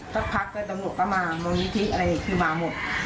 สักพักก็กำหนดดรมดก็มามาหมด